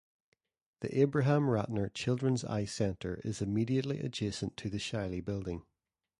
The Abraham Ratner Children's Eye Center is immediately adjacent to the Shiley building.